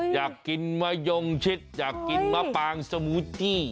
อยากกินมะยงชิดอยากกินมะปางสมูจี้